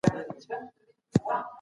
که تاسي لوبه وبایلئ نو مه خفه کیږئ.